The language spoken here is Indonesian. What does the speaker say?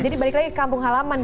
jadi balik lagi ke kampung halaman